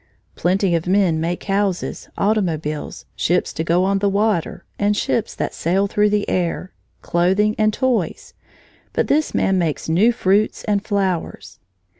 Plenty of men make houses, automobiles, ships to go on the water, and ships that sail through the air, clothing, and toys, but this man makes new fruits and flowers.